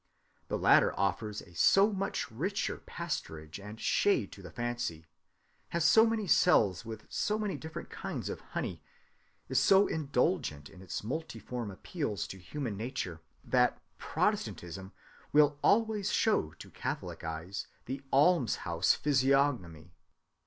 The latter offers a so much richer pasturage and shade to the fancy, has so many cells with so many different kinds of honey, is so indulgent in its multiform appeals to human nature, that Protestantism will always show to Catholic eyes the almshouse physiognomy.